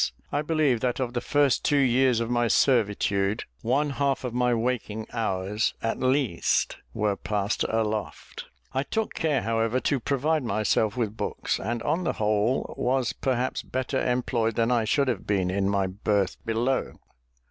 I believe that of the first two years of my servitude, one half of my waking hours, at least, were passed aloft. I took care, however, to provide myself with books, and, on the whole, was perhaps better employed than I should have been in my berth below.